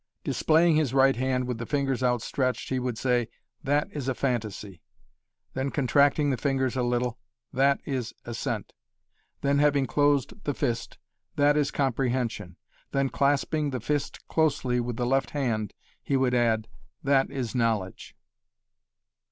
Displaying his right hand with the fingers outstretched he would say, "That is a phantasy," then contracting the fingers a little, "That is assent," then having closed the fist, "That is comprehension," then clasping the fist closely with the left hand, he would add, "That is knowledge."